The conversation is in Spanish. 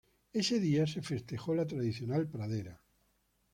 Ese día se festejó la tradicional pradera.